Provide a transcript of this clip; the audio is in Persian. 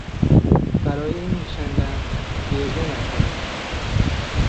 برای این میخندم که گریه نکنم!